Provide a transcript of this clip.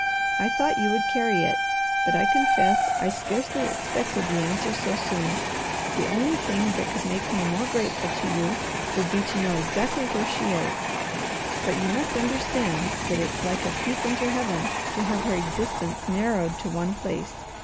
I thought you would carry it, but, I confess, I scarcely expected the answer so soon. The only thing that could make me more grateful to you would be to know exactly where she is: but you must understand that it's like a peep into Heaven to have her existence narrowed to one place.